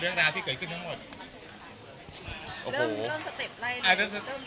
เรื่องราวที่เกิดขึ้นทั้งหมด